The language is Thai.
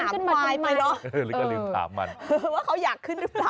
อยากเช่น้ำอยู่อย่างนี้เออลืมถามวายไปแล้วว่าเขาอยากขึ้นหรือเปล่า